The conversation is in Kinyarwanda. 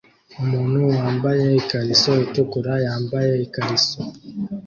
Umuntu wambaye ikariso itukura yambaye ikariso